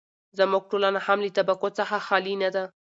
زموږ ټولنه هم له طبقو څخه خالي نه ده.